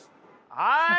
はい！